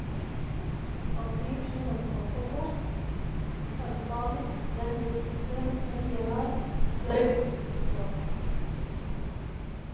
As prophecised by the professor, the student did not receive his doctorate.